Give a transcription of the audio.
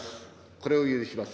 これを許します。